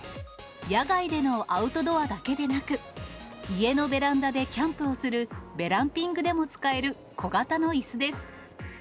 野外でのアウトドアだけでなく、家のベランダでキャンプをするベランピングでも使える、小型のいすです。